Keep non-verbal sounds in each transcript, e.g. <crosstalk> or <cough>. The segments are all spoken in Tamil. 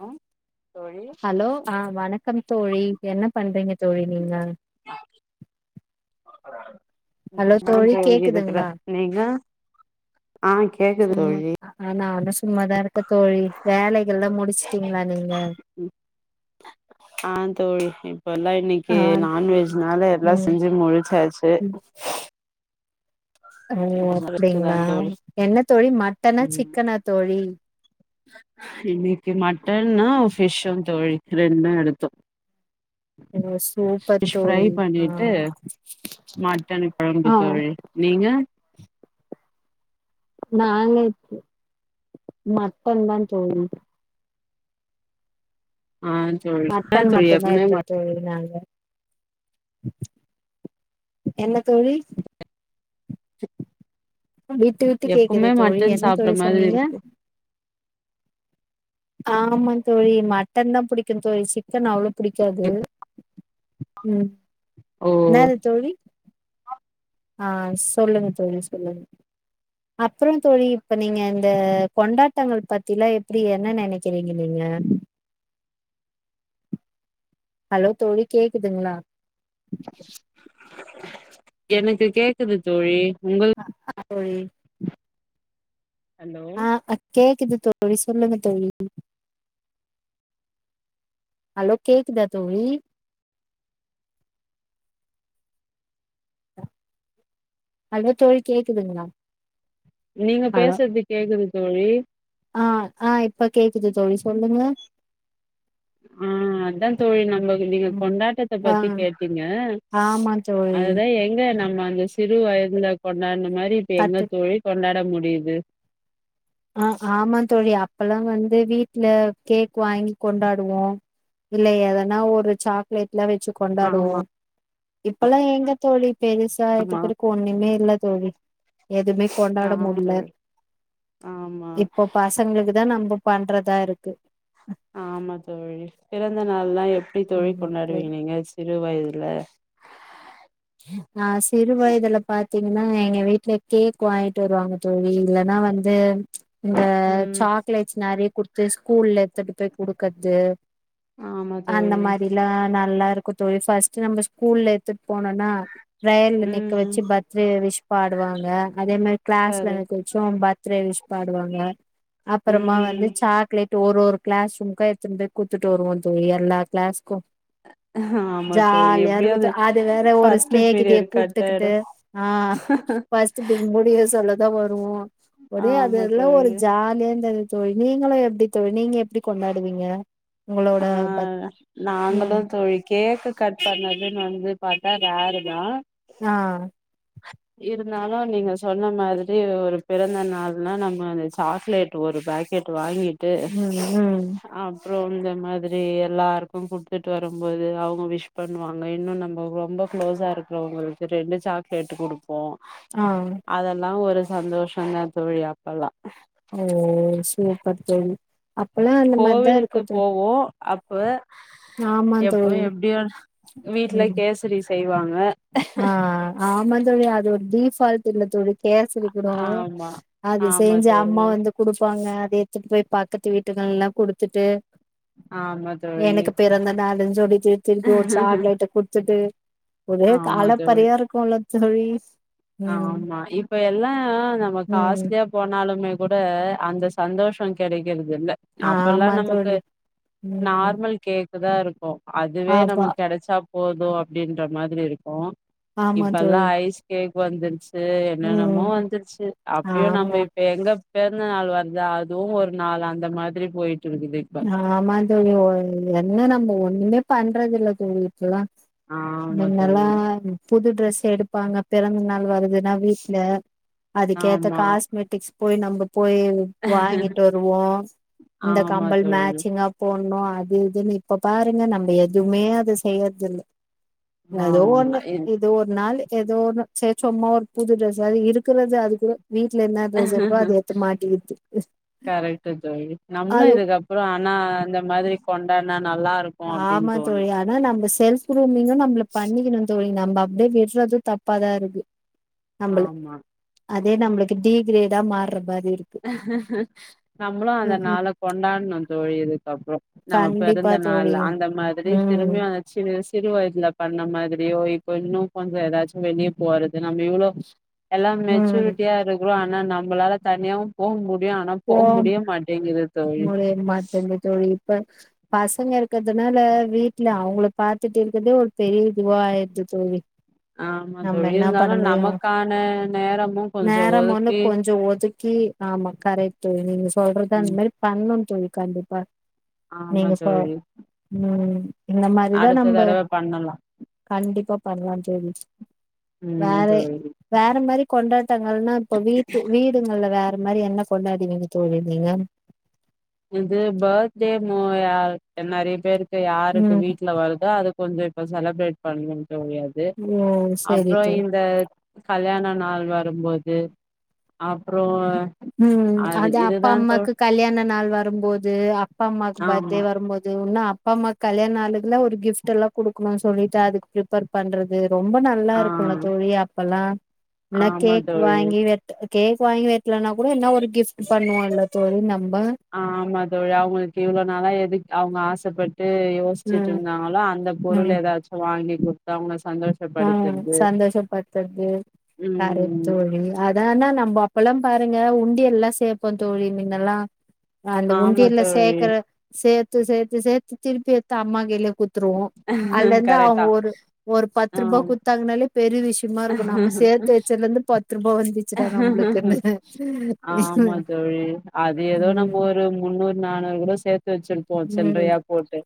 ம் ஹலோ ஆ வணக்கம் தோழி என்ன பண்றீங்க தோழி நீங்க நா ஹலோ நான் தோழி சொல் இருக்குறே கேக்குதுங்களா நீங்க ஆ கேக்குது சும்மா தோழி ஆ ஆ நானு சும்மாதா இருக்க தோழி வேலைகள்லா முடிச்சுட்டீங்ளா நீங் ம் <inaudible> ஆ தோழி இப்பலா ஆ ‌இன்னைக்கு நான்வெஜ்னால எல்லா ம் செஞ்சு முடிச்சாச்சு ம் ஓ ரெஸ்ட் தா அப்டிங்ளா தோழி என்ன தோழி மட்டனா ம் சிக்கனா தோழி இன்னைக்கு மட்டன்னு ஃபிஷும் தோழி ரெண்டு எடுத்தோ <inaudible> ஓ சூப்பர் ஃபிஷ் ஃப்ரை தோழி ஆ பண்ணிட்டு மட்டன் கொழம்பு ஆ ஓ தோழி நீங்க நாங்க இப் மட்டன்தா தோழி ஆ தோழி ஏ மட்டன் தோழி மட்டுந்தா எப்பமே எடுத்தோ மட் தோழி நாங்க என்ன தோழி <inaudible> விட்டு விட்டு எப்பவுமே கேக்குது தோழி மட்டன் என்ன சாப்ட்ற தோழி மாதிரி சொன்னீங்க இருக்கு ஆமா தோழி மட்டன் தா புடிக்கூ தோழி சிக்கன் அவ்ளோ புடிக்காது ம் ஓ என்னாது தோழி ஆ சொல்லுங்க தோழி சொல்லுங்க அப்புறோ தோழி இப்ப நீங்க இந்த கொண்டாட்டங்கள் பத்திலா எப்டி என்ன நெனைக்கிறீங்க நீங்க அ ஹலோ தோழி கேக்குதுங்ளா எனக்கு கேக்குது தோழி உங்கள் ஆமா தோழி ஹலோ ஆ அ கேக்குது தோழி சொல்லுங்க தோழி ஹலோ கேக்குதா தோழி ஹலோ தோழி கேக்குதுங்ளா நீங்க பேசத்து கேக்குது தோழி ஆ ஆ இப்ப கேக்குது தோழி சொல்லுங்க ம் அதா தோழி நம்மக்கு நீங்க ம். கொண்டாட்டத ஆ பத்தி கேட்டீங்க ஆமா தோழி. அதேதா எங்க நாங்க நம் ம அந்த சிறு வயதுல கொண்டாட்ன மாரி இப்ப எங்க தட்டு தோழி கொண்டாட முடியுது ஆ ஆமா தோழி அப்பல்லா வந்து வீட்ல கேக் வாங் கொண்டாடுவோ இல்ல எதனா ஒரு சாக்லேட் எல்லா வெச்சி கொண்டாடுவோ ஆமா இப்பல்லா எங்க தோழி பெருசாயிட்ட ஆமா பிறகு ஒன்னுமே இல்லத் தோழி எதுமே கொண்டாட ஆமா முட்ல தோழி ஆமா இப்போ பசங்ளுக்கு தா நம்ப பண்றதா இருக்கு ஆமா தோழி பிறந்த நாள்லா எப்டி தோழி ம் தோழி கொண்டாடுவீங்க நீங்க சிறு வயது ல ஆ சிறு வயதுல பாத் தீங்னா எங்க வீட்ல கேக் வாங்கிட்டு வருவாங்க தோழி இல்லனா வந்து இந்த ம் சாக்லேட்ஸ் நறைய குடுத்து ஸ்கூல்ல எடுத்துட்டு போய் குடுக்கத்து ஆமா அந்த தோழி மாரிலா நல்ல இருக்கு தோழி ஃபஸ்ட் நம்ம ஸ்கூல்ல எத்திட் போனோனா பிரேயர்ல நிக்க ம் வச்சு பர்த்டே விஷ் பாடுவாங்க அதே மாரி கிளாஸ்ல கரெக்ட் நிக்க வெச்சோ பர்த்டே விஷ் பாடுவாங்க அப்றமா ம் வந்து சாக்லேட் ஒர் ஒர் க்ளாஸ் ரூம் கா எத்துன் போய் குத்துட்டு வருவோ எல்லா க்ளாஸ்கூ ஆமா தோழி ஜாலியாருக்கூ தொ எப்டியாவது அது வேற ஒரு ஃபர்ஸ்ட் நிகிதிய பீரியட் கட் கூப்டுக்கிட்டு ஆயிடு ஆ ஃபஸ்ட் ப்ரீட் முடிய சொல்லதா வருவோ ஒடி ஆமா அதெல்லா ஒரு தோழி ஜாலியாந்தது தோழி நீங்கலா எப்டி தோழி நீங்க எப்டி கொண்டாடுவீங்க உங்களோட ஆ பர்த் நாங்களு ம் தோழி கேக்கு கட் பண்ணதுன் வந்து பாத்தா ரேருதா ஆ இருந்தாலு நீங்க சொன்ன மாத்ரி ஒரு பிறந்த நாள்னா நம்ம சாக்லேட் ஒரு பேக் கேட்டு வாங்கிட் ம் ம் ப்றோம் இந்த மாத்ரி எல்லாருக்கு குடுத்துட்டு வரும்போது அவுங்க விஷ் பண்ணுவாங்க இன்னு நம்ம ரொம்ப க்ளோஸா இருக்கறவுங்ளுக்கு ரெண்டு சாக் கேட்டு குடுப்போ ஆ அதெல்லா ஒரு சந்தோஷந்தா தோழி அப்பல்லா ஓ சூப்பர் தோழி அப்பல்லா அந்த மார்தா இருக்கோ கோவிலுக்கு தோ போவோ அப்ப எப்ப எப்டியு வீட்ல ம் கேசரி செய்வாங்க ஆ ஆமா தோழி அது ஒரு டிஃவால்ட்டு இல்ல தோழி கேசரி கூடோ ஆமா அது ஆமா செஞ்சி அம்மா தோழி வந்து குடுப்பாங்க அத எத்துட்டு போய் பக்கத்து வீட்டுகள்ளா குடுத்துட்டு ஆமா தோழி எனக்கு பிறந்த நாளுன் சொல்லி செரி செரி ஒரு சாக்லெட்ட குட்த்துட்டு ஆமா தோழி அலப்பரையா இருக்கூல தோழி ம் ஆமா இப்ப எல்லா நம்ம ம் காஸ்ட்லியா போனாலுமே கூட அந்த சந்தோஷ கெடைக் து இல்ல அப்ல்லா ஆமா நமக்கு தோழி ம் நார்மல் கேக் தா இருக்கு அதுவே ஆமா நமக் கெடைச்சா போது அப்டின்ற மாதிரி இருக்கோ ஆமா இப்பல்லா தோழி ஐஸ் கேக் வந்திரிச்சி து என்னன்னமோ ம் வந்துருச்சி அப்டியு நம்ப ஆமா இப்ப எங்க பிறந்த நாள் வருதா அதுவு ஒரு நாள் அந்த மாதிரி போயிட்டு இருக்குது இப்ப ஆமா தோழி ஒ என்ன நம்ம ஒண்ணுமே பண்றது இல்ல தோழி இப்பலா ஆமா மின்னலா தோழி புது ட்ரெஸ் எடுப்பாங்க பிறந்த நாள் வருது எதுனா வீட்ல அதுக்கேத்த ஆமா காஸ்மெட்டிக்ஸ் போய் நம்ம போய் வாங்கிட்டு வருவோ இந்த ஆமா கம்பல் தோழி மேச்சிங்கா போட்னு து இதுன்னு இப்போ பாருங்க நம்ப எதுவ்மே அத செய்யற்தில்ல எதோ ஆமா ஒன்னு இத் இது ஒர் நாளு ஏதோ ஒன்னு சேர்சும்மா ஒரு புது ட்ரெஸ் அது இருக்கறது அதுக்கூட வீட்ல என்ன டிரஸ் இருக்கோ அது எட்துமாட்டிக்கிற்து ன்னா இதுக்கப்ரோ அன்னா ந்த மாதிரி கொண்டானா நல்லா இர் ஆமா தோழி அனா நம்ப செல்ஃப் குருமிங்கூ நம்மள பண்ணிக்குணு தோழி ப்டி நம்ப அப்டே விட்றதூ தப்பாதா ருக்கு ஆமா அதே நம்ளுக்கு டீ கிரேடா மார்ர பார் நம்மளு அந்த ம், ம். நாள கொண்டானு தோழி இதுக்க கப்ரோ நம்ம கண்டிப்பா பிறந்த நாள்ள தோழி. அந்த மாதிரி ம், திரும்மி வந்துச்சினு சிறு வயதுல பண்ண மாதிரியோ இப்ப இன்னு கொஞ்சொ ஏதாச்சு வெளியே போறது நம்ம இவ்ளோ எல்லாம் ம். மெச்சூருட்டியா ருக்குறோ ஆனா நம்மபளால தனியாவு போக முடியு டியு ஆனா போ போக் முடிய மாட்டேங்குது தோழி ப்ப பசங்க இருக்கறதுனால வீட்ல அவுங்குளுக் பாத்துட்டு இருக்கறதே ஒரு பெரியதுவா யிருது தோழி ஆமா நம்ம தோழி என்னா பண்ண இருந்தாலு முடியு நமக்கான நேரமு கொஞ்சோ நேரம் ஒன்னு ஒதுக்கி கொஞ்சோ ஒதுக்கி கி ஆமா கரெக்டு நீங்க சொல்றதா ந்த ம் மெரி பண்னணுந் தோழி கண்டிப்பா ஆமா நீங்க சொ தோழி ம் இந்த மாரிதா அடுத்த நம்ப தடவ பண்ணலா கண்டிப்பா பண்லா தோழி ம் வேறெ தோழி வேற மேரி கொண்டாடங்கள்னா இப்போ வீட்டு வீடுகள்ல வேற மேரி என்ன கொண்டா ங்கு தோழி நீங்க இது பத்டே மோயா நெறைய பேருக்கு யாருக்கு ம் வீட்ல வருதோ அது கொஞ்சொ இப்ப செலப்ரேட் பண்ணுங்ற ஓயாது ஓ செரி அப்றோ தோழி இந்த கல்யாண நாள் வரும்போது அப்றோ ம் அது அப்பா இதுதா தோ அம்மாக்கு கல்யாண நாள் வரும்போது அப்பா அம்மாக்கு பத்டே ஆமா வரும்போது ஒன்னா அப் ப்பாமாக் கல்யாண்நாளுக்கு லா ஒரு கிஃப்ட் டெல்லா குடுக்குணு சொல்லிட்டெ அதுக்கு ப்ரிப்பெர் பண்றது ரொம்ப நல்லா ஆ ருக்குல்ல தோழி அப்பெல்லா ன்ன ஆமா கேக் தோழி வாங்கி வெட் கேக் வாங்கி வெட் ட்லன்னா கூட என்ன ஒரு கிஃப்ட் பண்ணுவோல தோழி நம் ஆ ஆமா தோழி அவுங்குளுக்கு இவ்ளோ நாளா எதுக் அவ்ங்க ஆசப்பட் ட்டு யோஸ்சிச்சுட்டு ம் இர்ந்தாங்களோ அந்த பொருள் ம் ஏதாச்சு வாங்கி குடுத்அவுங்க ஆ சந்தோஷ பட்தற்து யாரு ம் தோழி அதாஆனா நம்போ அப் அப்பலாம் பாருங்க உண்டியல்ல சேபோந் தோழி மின்னெல்லா அ அந்த ஆமா உண்டியெல்ல தோழி சேக்கற சேத்து சேத்து சேத்து திருப்பி எட்த்தா அம்மா கைல குத்துருவோ அதுலந்து கரெக்டா அவுங்க ஒரு ஒரு பத் ஆ த்தாங்னாலே பெரி விஷ்மாருக்கு நம்ப சேத்து வச்சதுலந்து பத் ஆமா தோழி அது ஏதோ நம்ம ம் ஒரு மு முண்னூற் நானூறு குட சேத்து வச்சிருப்போ ம் சில்றையா போட்டு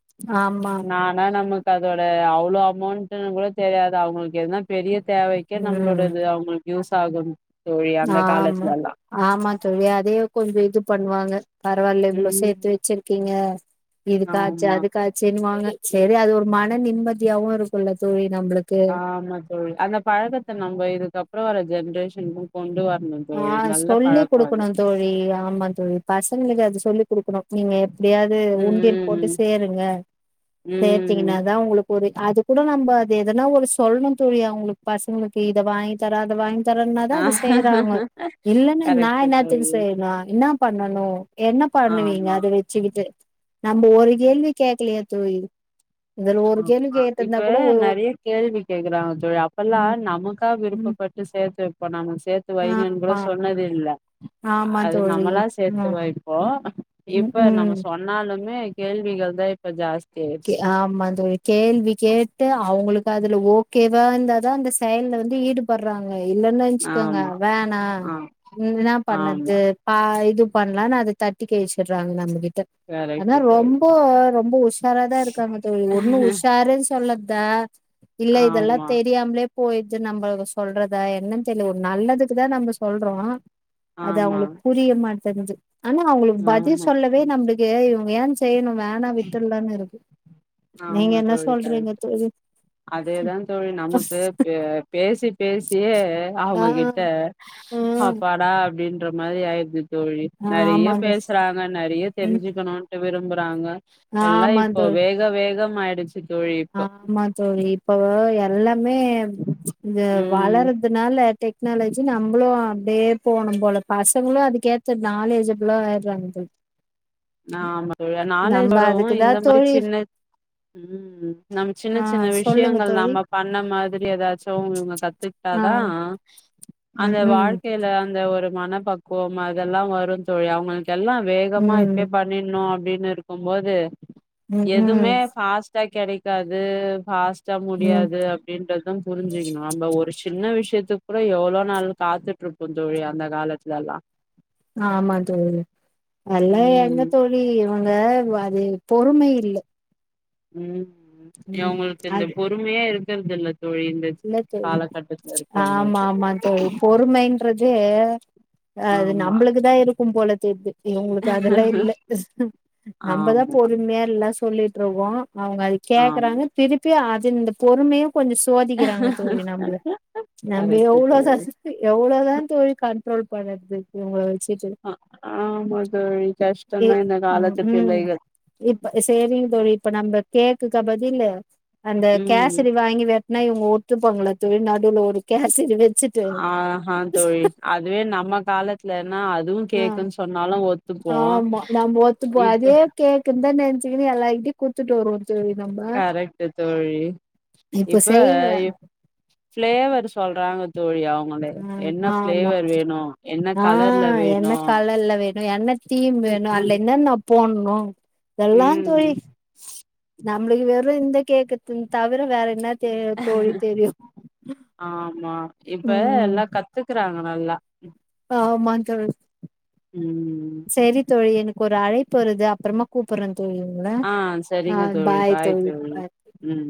ஆமா நானா நமக் அதோட அவ்ளோ அமொண்டுனு கூட தெரியாதா அவுங்குளுக் எதுனா பெரிய தேவைக்கே நம்ளோட ம் இது அவுங்ளுக் யூஸ் ஆகும் தோழி அந்த ஆமா காலத்துலல்லா ஆமா தோழி அதே கொஞ்ச இது பண்வாங்க பரவால்ல இவ்ளோ சேத்து ம் வச்சிருக்கீங்க இதுகாச்சி ஆமா அதுக்காச்சுன் வாங்க செரி அது ஒரு மன நிம்மதியாவுருக்குல்ல தோழி நம்பளுக்கு ஆமா தோழி அந்த பழக்கத்த நம்ப இதுக்கப்ற வர ஜென்ரேஷன் ம் கொண்டு வர் ஆ சொல்லி குடுக்குனு தோழி ஆம்மா தோழி பசங்களுக்கு அது சொல்லி குடுக்குனு நீங்க எப்டியாது உண்டியல் போட்டு ம் சேருங்க ம் சேத்தீங்கன்னாதா உங்குளுக் ஒரே அது கூட நம்ப அது எதுனா ஒரு சொல்னு தோழி அவுங்ளுக் பசங்ளுக்கு இத வாங்கி தராத வாங் தரன்னாதா ஆ அது செய்யறாங்கொ இல்லன்னு நா கரெக்ட்டு என்னாத்துக்கு தோழி செய்னு என்னா பண்ணணு என்ன பண்ணுவீங்க ஆமா அத வெச்சிகிட்டு நம்ப ஒரு கேள்வி கேக்கலயே தோழி இதுல ஒரு கேள்வி ஆமா கே இப்ப நெறைய கேள்வி கேக்குறாங்க தோழி அப்பெல்லா ம் நமக்கா ம் விருப்பபட்டு சேத்து வெப்போ நாம் நம்ம சேத்து வைங்கன் கூட ஆமா சொன்னதில்ல ஆமா அது தோழி நம்மளா சேத்து ம் வைப்போ ம் இப்ப ம் நம்ம சொன்னாலுமே கேள்விகள் தா இப்ப ஜாஸ் கே ஆமா தோழி கேள்வி கேட்டு அவுங்களுக்கு அதுல ஓகேவா இருந்தாதா அந்த செயல்ல வந்து ஈடு பற்றாங் அ இல்லன் நென்சிக்கோங்க ஆமா வேனா ஆ என்னா பண்ணது ஆமா பா இது பண்ணலான்னு அத தட்டி கழிச்சிட்றாங்க நம்ம கிட்ட ஆனா கரெக்ட்டு தோழி ரொம்ப ரொம்ப ஒஸ் உஷாராதா இருக்காங்க தோழி ஒன்னு உஷாரு சொல்லத்த இல்ல இதெல்லா ஆமா தெரியாம்லே போய்து நம்ப சொல்றத என்னன் தெர்ல ஒரு நல்லதுக்குதா நம்ப சொல்றோ அது ஆமா அவுங்களுக் புரிய மாட்டங்குது ஆனா அவுங்களுக் பதில் ஆமா சொல்லவே நம்முளுக்கு இவுங்க ஏன் செய்ணு வேனா விட்ர்லானுருக்கு நீங்க என்ன சொல்றீங்க தோழி அதே தா தோழி நமக்கு பே பேசி பேசியே ஆ அவுங்க கிட்ட ம் அப்பாடா அப்டின் ற மாரி ஆய்ருது தோழி நெறைய ஆமா தோழி பேசுறாங்க நெறைய ம் தெரிஞ்சிக்கனூட்டு விரும்புறாங்க எல்லா ஆமா இப்போ தோழி வேக மாயிடிச்சி ஆமா தோழி இப்ப வே எல்லா மே இந்த ம் வளர்றதுனால டெக் டெக்னாலஜி நம்புளு அப்டியே போனு போல பசங்களு அதுக்கேத்த நாலேஜிபிலா ஆய்றாங்க தோழி ஆமா தோழி நம்ம நாலேஜ்வோடவு அதுக்குதா இந்த மாரி தோழி சின்ன ம் ம் நம் சின்ன ஆ சின்ன சொல்லுங்க விஷ்யங்கள் தோழி நாம்ம பண்ண மாதிரி ஏதாச்சு ஊ இவுங்க ஆ கத்திக்டாதா ம் அந்த ம் வாழ்க்கைல அந்த ஒரு மனப்பக்குவம் அதெல்லா வரு தோழி அவுங்ளுக் எல்லா வேகமா ம் இப்யே பண்ணினு அப்டின்ருக்கு போது ம் எதுமே ம் ஃபாஸ் டா கெடைக்காது ஃபாஸ்ட்டா ம் முடியாது அப்டின்றதா புரிஞ்சிக்கினு நம்ப ஒரு சின்ன விஷ்யத்துக் கூட எவ்ளோ நாள் காத்துட்ருப்போ தோழி அந்த காலத்லெல்லா லே எங்க ம் தோழி இவுங்க அது பொறுமை இல்ல ம் ம் இவுங்களுக்கு இந்த அது பொறுமையே இருக்கறதில்ல இல்ல தோழி ஆமா இருக்கிறவங்களுக்கு ஆமா தோழி பொறுமைன்றது அது ஆமா நம்பளுக்கு தா இருக்கு போல தெர்து இவுங்களுக்கு அதெல்லா இல்ல நம்பதா ஆமா பொறுமையா எல்லா சொல்லீட்ருக்கோ அவுங்க அது ஆமா கேக்கறாங்க திருப்பி அது இந்த பொறுமையு கொஞ்சோ சோதிக்கிறாங்க தோழி நம்பள நம்ப கரெக்ட்டு எவ்ளோ ச தோழி ச எவ்ளோதா தோழி கண்ட்ரோல் பண்ணர்து அ ஆமா தோழி கஸ் ஏ ம் ம் இப்ப சேரிங்க தோ இப்ப நம்ப கேக்குகா பதிலு அந்த ம் கேசரி வாங்கி வெட் னா இவுங்க ஒத்துப்பாங்களா தோழி நடுல ஒரு கேசரி வச் ஆஹ தோழி அதுவே நம்ம காலத்துலன்னா அதுவு ஆ கேக்குன்னு சொன்னாலு ஒத் ஆமா நம்ப ஒத்துப்போ அதே கேக்குன்னு தா நெனசிக்குனு எல்லார்கிட்டயு குடுத்துட்டு வருவோ தோழி நம்ப கரெக்ட்டு தோழி இப்ப செய்யுங்களே பிளேவர் சொல்றாங்க தோழி அவு ஆ ஆமா என்ன ஆ கலர்ல என்ன வேணு கலர்ல்ல வேணு என்ன தீம் ம் வேணு அதுல ம் என்னன்னா போட்ணு இதெல்லா தோழி ம். நம்பளுக்கு வெறு இந்த கேக்கத் தவிர வேற என்ன தே தோழி தெரியு ஆமா இப்ப ம் எல்லா கத்துக் கிராங்க நல்லா ஆமா தோழி ம் செரி தோழி எனக்கு ஒரு அழைப்பு வருது அப்றமா கூப்பிட்றே தோழி உங்கள ஆ பாய் தோழி பாய் ம்